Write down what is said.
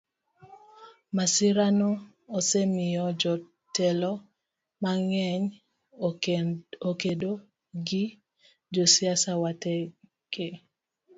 Masirano osemiyo jotelo mang'eny okedo gi josiasa wetegi.